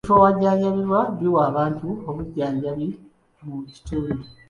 Ebifo awajjanjabirwa biwa abantu obujjanjabi mu kitundu.